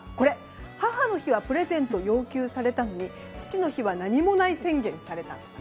母の日はプレゼントを要求されたのに父の日は何もない宣言されたとか。